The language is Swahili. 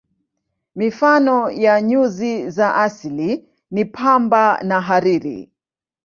Mifano ya nyuzi za asili ni pamba na hariri.